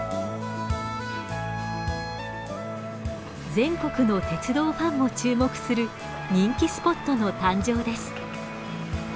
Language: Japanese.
全国の鉄道ファンも注目する人気スポットの誕生です。